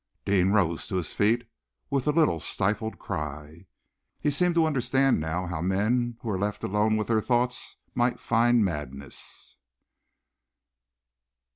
Deane rose to his feet with a little stifled cry. He seemed to understand now how men who were left alone with their thoughts might find madness.